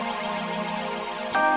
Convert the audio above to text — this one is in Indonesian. terima kasih tuhan